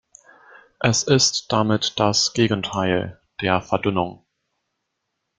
Es ist damit das Gegenteil der Verdünnung.